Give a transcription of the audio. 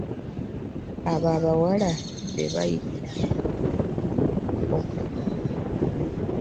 Abo abawala be tuyita mukoka.